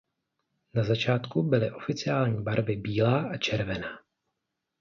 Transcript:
Na začátku byli oficiální barvy bílá a červená.